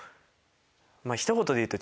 まぁひと言で言うと。